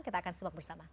kita akan sempat bersama